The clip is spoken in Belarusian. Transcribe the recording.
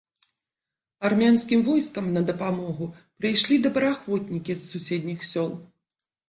Армянскім войскам на дапамогу прыйшлі добраахвотнікі з суседніх сёл.